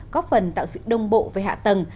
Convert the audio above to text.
có phần tạo sự đồng bộ về hạ tầng